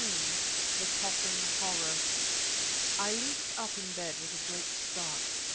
THE COUGHING HORROR I leaped up in bed with a great start.